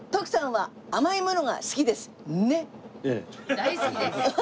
大好きです。